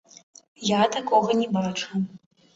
Я такога не бачыў.